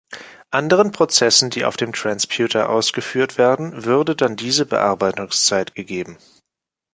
Anderen Prozessen, die auf dem Transputer ausgeführt werden, würde dann diese Bearbeitungszeit gegeben.